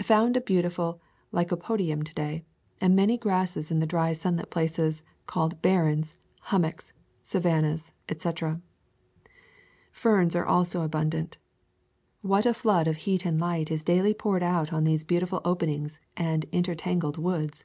Found a beautiful lycopodium to day, and many grasses in the dry sunlit places called "barrens," "hummocks," "savannas," etc. Ferns also are abundant. What a flood of heat and light is daily poured out on these beauti ful openings and intertangled woods!